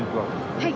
はい。